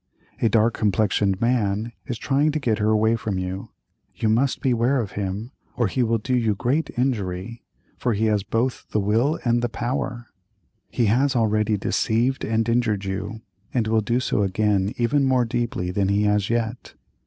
A dark complexioned man is trying to get her away from you; you must beware of him or he will do you great injury, for he has both the will and the power; he has already deceived and injured you, and will do so again even more deeply than he has yet.